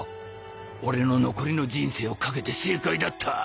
俺の残りの人生をかけて正解だった。